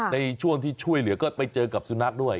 ในช่วงที่ช่วยเหลือก็ไปเจอกับสุนัขด้วย